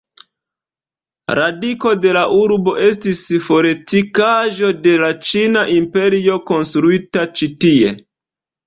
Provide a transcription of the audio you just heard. Radiko de la urbo estis fortikaĵo de la Ĉina Imperio, konstruita ĉi-tie.